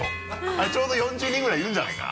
あれちょうど４０人ぐらいいるんじゃないか？